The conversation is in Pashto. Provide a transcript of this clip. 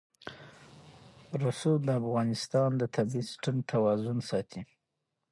رسوب د افغانستان د طبعي سیسټم توازن ساتي.